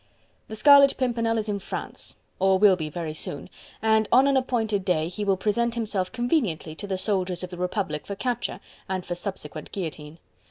The Scarlet Pimpernel is in France or will be very soon, and on an appointed day he will present himself conveniently to the soldiers of the Republic for capture and for subsequent guillotine.